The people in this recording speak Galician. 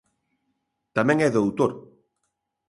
Tamén é doutor.